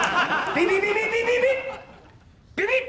ビビビビビビビッ！